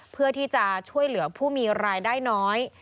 เพื่อที่จะช่วยเหลือผู้มีรายได้น้อย